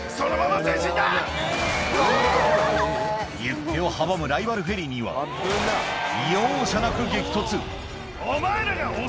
行く手を阻むライバルフェリーには容赦なく激突